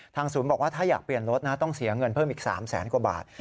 ศูนย์บอกว่าถ้าอยากเปลี่ยนรถนะต้องเสียเงินเพิ่มอีก๓แสนกว่าบาท